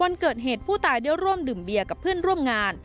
วันเกิดเหตุผู้ตายได้ร่วมดื่มเบียร์กับเพื่อนร่วมงาน